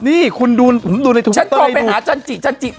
นี่คุณดูในทวิตเตอร์ให้ดูฉันต้องไปหาจันจิจันจิ